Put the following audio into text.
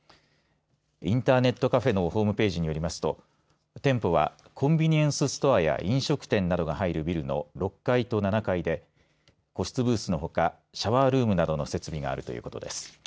インターネットカフェのホームページによりますと店舗はコンビニエンスストアや飲食店が入るビルの６階と７階で個室ブースのほかシャワールームなどの設備があるということです。